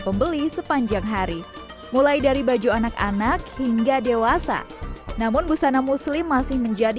pembeli sepanjang hari mulai dari baju anak anak hingga dewasa namun busana muslim masih menjadi